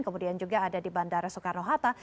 kemudian juga ada di bandara soekarno hatta